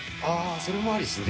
それもありっすね。